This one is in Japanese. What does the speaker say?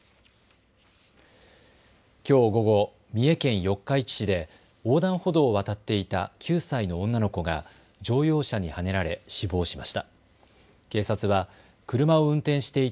きょう午後、三重県四日市市で横断歩道を渡っていた９歳の女の子が乗用車にはねられ死亡しました。